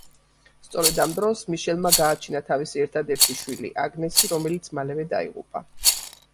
სწორედ ამ დროს, მიშელმა გააჩინა თავისი ერთადერთი შვილი, აგნესი, რომელიც მალევე დაიღუპა.